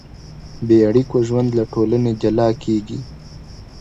بېاړیکو ژوند له ټولنې جلا کېږي.